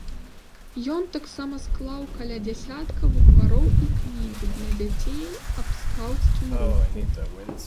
Ён таксама склаў каля дзясятка буквароў і кніг для дзяцей аб скауцкім руху.